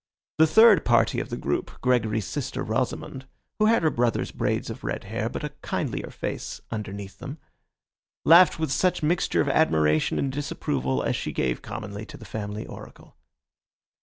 The third party of the group, Gregory's sister Rosamond, who had her brother's braids of red hair, but a kindlier face underneath them, laughed with such mixture of admiration and disapproval as she gave commonly to the family oracle.